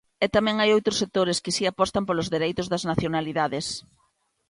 E tamén hai outros sectores que si apostan polos dereitos das nacionalidades.